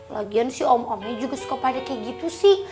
lagian sih om omnya juga suka pada kayak gitu sih